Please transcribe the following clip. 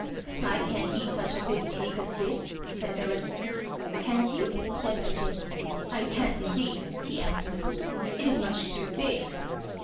"I can't eat such a big cake as this," said the wrestler. "Can't you?" said Ajít. "I can't indeed," he answered; "it is much too big."